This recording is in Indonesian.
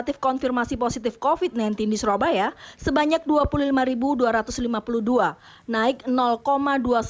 tiff konfirmasi positif covid sembilan belas di surabaya sebanyak dua puluh seribu dua ratus lima puluh dua u dua puluh sembilan darisebelumnya dua puluh lima ribu satu ratus tujuh puluh sembilan